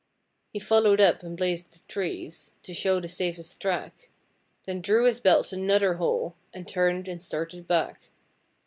'He followed up and blazed the trees, to show the safest track, Then drew his belt another hole and turned and started back.